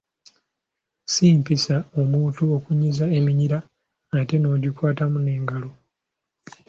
Si mpisa omuntu okunyiza eminyira ate n’ogikwatamu n’engalo.